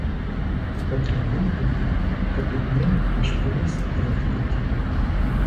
Котрий вийде, то під ним аж поміст двигтить.